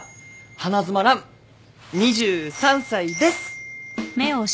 花妻蘭２３歳です！